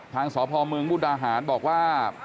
ทางสพมุกดาหารบอกว่า